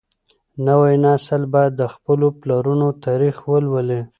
نوی نسل بايد د خپلو پلرونو تاريخ ولولي.